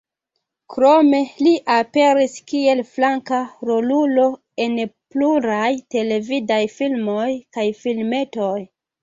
Krome li aperis kiel flanka rolulo en pluraj televidaj filmoj kaj filmetoj.